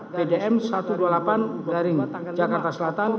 bdm satu ratus dua puluh delapan daring jakarta selatan